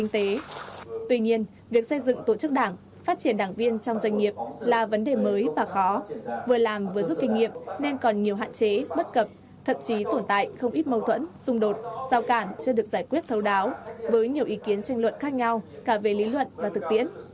tuy nhiên việc xây dựng tổ chức đảng phát triển đảng viên trong doanh nghiệp là vấn đề mới và khó vừa làm vừa giúp kinh nghiệm nên còn nhiều hạn chế bất cập thậm chí tồn tại không ít mâu thuẫn xung đột giao cản chưa được giải quyết thấu đáo với nhiều ý kiến tranh luận khác nhau cả về lý luận và thực tiễn